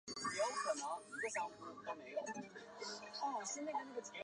他出身自因弗内斯的青训系统。